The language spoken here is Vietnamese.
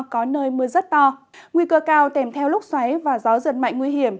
có nơi mưa rất to nguy cơ cao tèm theo lúc xoáy và gió dần mạnh nguy hiểm